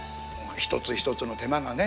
一つ一つの手間がね